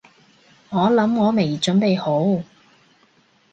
我諗我未準備好